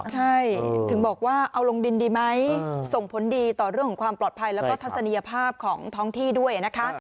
ใช่ถึงบอกว่าเอาลงดินดีไหมส่งผลดีต่อเรื่องของความปลอดภัยแล้วก็ทัศนียภาพของท้องที่ด้วยนะคะ